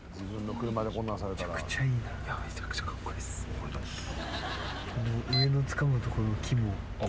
ありがとうございます。